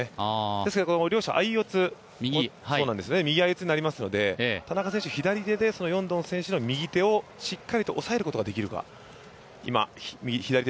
ですけども両者、相四つ、右の相四つになりますので田中選手、左手でヨンドン選手の右手をしっかり押さえることができるか。